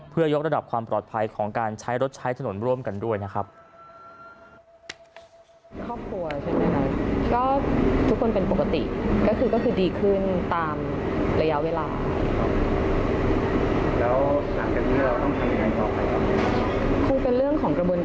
เพื่อยกระดับความปลอดภัยของการใช้รถใช้ถนนร่วมกันด้วยนะครับ